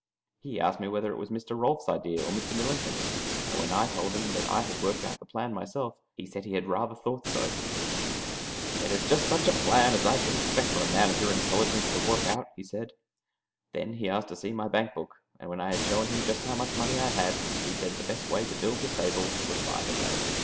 He asked me whether it was Mr. Rolfs's idea or Mr. Millington's, and when I told him I had worked out the plan myself, he said he had rather thought so. "It is just such a plan as I should expect a man of your intelligence to work out," he said. Then he asked to see my bank book, and when I had shown him just how much money I had, he said the best way to build the stable was by the day.